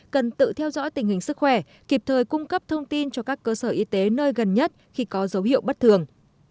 cần tự theo dõi tình hình sức khỏe kịp thời cung cấp thông tin cho các cơ sở y tế nơi gần nhất khi có dấu hiệu bất thường